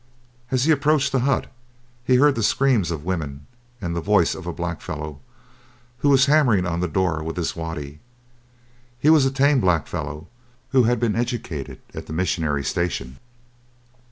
As he approached the hut, he heard the screams of women and the voice of a blackfellow, who was hammering on the door with his waddy. He was a tame blackfellow who had been educated at the Missionary Station.